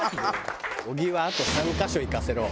小木はあと３カ所行かせろ！